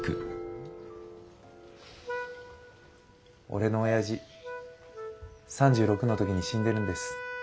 俺のおやじ３６の時に死んでるんです。